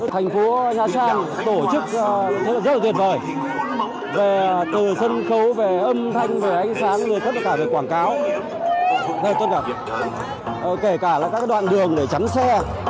thành phố nha trang tổ chức rất tuyệt vời từ sân khấu âm thanh ánh sáng quảng cáo kể cả các đoạn đường để chắn xe